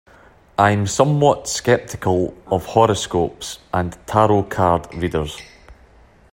I'm somewhat sceptical of horoscopes and tarot card readers.